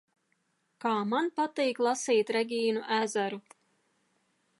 Kā man patīk lasīt Regīnu Ezeru!